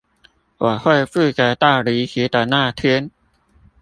我會負責到離職的那天